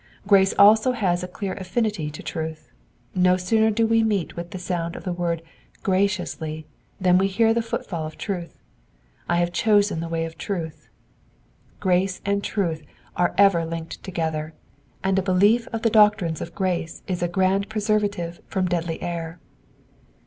Grace also has a clear affinity to truth : no sooner do we meet with the sound of the word graciously" than we hear the footfall of truth :I have chosen the way of truth." Grace and truth are ever linked together, and a belief of the doctrines of grace is a grand preservative from deadly error.